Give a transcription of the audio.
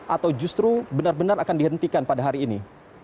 atau justru benar benar akan dihentikan pada hari ini